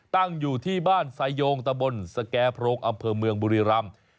ตั้งอยู่ที่บ้านไซโยงตะบนสแก่โพรงอำเภอเมืองบุรีรำ